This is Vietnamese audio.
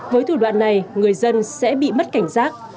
với thủ đoạn này người dân sẽ bị mất cảnh giác